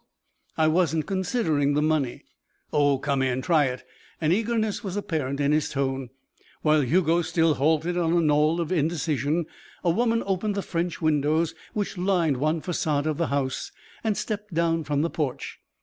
"I wasn't considering the money." "Oh! Come in. Try it." An eagerness was apparent in his tone. While Hugo still halted on a knoll of indecision, a woman opened the French windows which lined one façade of the house and stepped down from the porch.